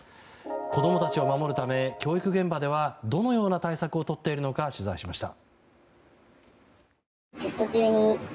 子供たちを守るため教育現場ではどのような対策をとっているのか取材しました。